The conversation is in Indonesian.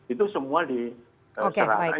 itu semua diserahkan